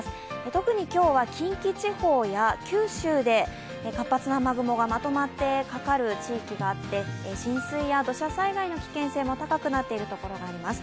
特に今日は近畿地方や九州で活発な雨雲がまとまってかかる地域があって浸水や土砂災害の危険が高くなっているところがあります。